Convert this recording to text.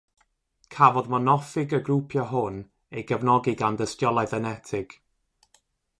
Cafodd monoffig y grwpio hwn ei gefnogi gan dystiolaeth enetig.